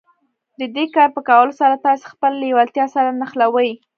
د دې کار په کولو سره تاسې خپله لېوالتیا سره نښلوئ.